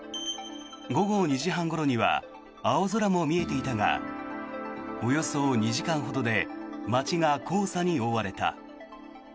午後２時半ごろには青空も見えていたがおよそ２時間ほどで街が黄砂に覆われた。